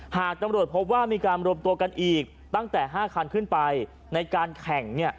หากตำรวจพบว่ามีการรวมตัวกันอีกตั้งแต่๕คันขึ้นไปในการแข่ง